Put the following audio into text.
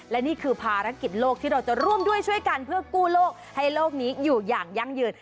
และนี่คือภารกิจโลกที่เราจะร่วมด้วยช่วยกันเพื่อกู้โลกให้โลกนี้อยู่อย่างยั่งยืน